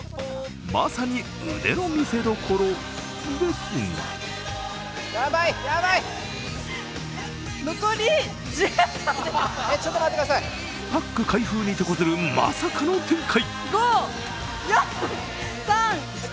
まさに腕の見せどころですがパック開封に手こずるまさかの展開。